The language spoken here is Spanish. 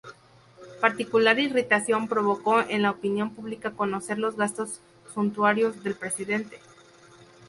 Particular irritación provocó en la opinión pública conocer los gastos suntuarios del presidente.